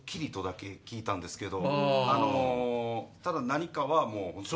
ただ何かはもう本当に。